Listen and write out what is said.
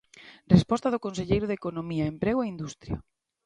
Resposta do conselleiro de Economía, Emprego e Industria.